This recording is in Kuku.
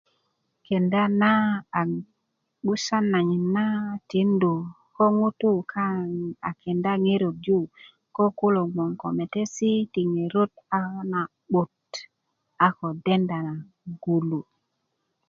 kenda na a 'busan na nanyit na tindu ko ŋutu kaŋ a kenda ŋerot yu koko kulo bgoŋ ko meyesi ti ŋerot na'but a ko denda na gulu